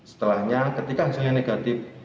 setelahnya ketika hasilnya negatif